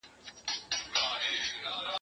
زه له سهاره د سبا لپاره د يادښتونه بشپړوم؟!